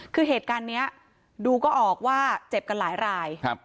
คือเหตุการณ์เนี้ยดูก็ออกว่าเจ็บกันหลายรายครับ